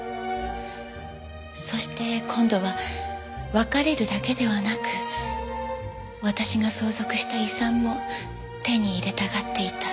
そして今度は別れるだけではなく私が相続した遺産も手に入れたがっていた。